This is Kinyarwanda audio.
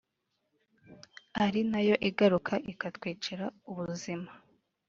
ari nayo igaruka ikatwicira ubuzima